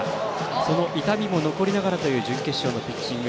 その痛みも残りながらという準決勝のピッチング。